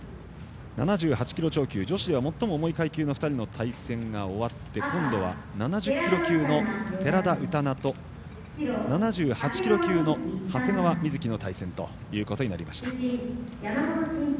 ７８キロ超級、女子は最も重い２人の対戦が終わって今度は７０キロ級の寺田宇多菜と７８キロ級の長谷川瑞紀の対戦となりました。